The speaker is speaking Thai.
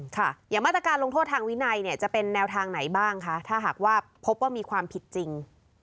ขออาจการลงโทษทางวินัยจะเป็นแนวทางไหนบ้างคะถ้าหากว่าพบก็มีความผิดจริง